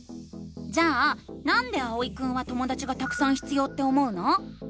じゃあ「なんで」あおいくんはともだちがたくさん必要って思うの？